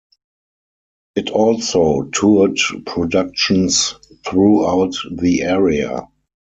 It also toured productions throughout the area.